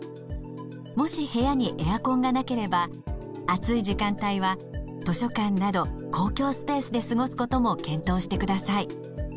もし部屋にエアコンがなければ暑い時間帯は図書館など公共スペースで過ごすことも検討してください。